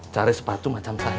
cari sepatu macam saya